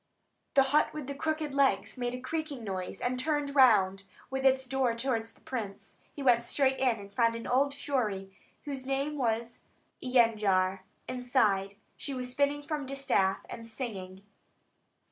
The hut with the crooked legs made a creaking noise, and turned round, with its door towards the prince. He went straight in, and found an old fury, whose name was Jandza, inside; she was spinning from a distaff, and singing.